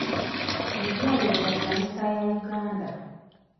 Eddwaliro lya kkanisa ya Uganda.